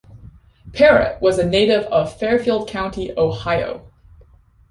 Parrott was a native of Fairfield County, Ohio.